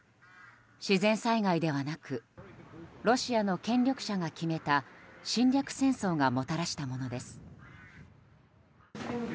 自然災害ではなくロシアの権力者が決めた侵略戦争がもたらしたものです。